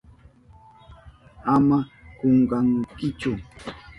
Ama kunkankichu.